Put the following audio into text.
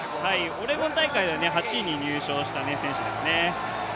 オレゴン大会では８位に入賞した選手ですね。